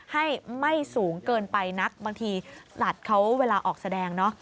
ให้ไม่สูงเกินไปนักบางทีหลัดเขาเวลาออกแสดงเนาะ